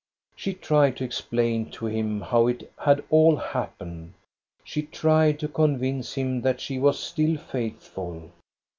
She tried to explain to him how it had all hap pened. She tried to convince him that she was still faithful.